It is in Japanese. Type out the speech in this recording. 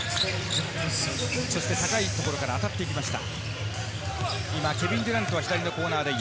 そして高いところから当たっていきました。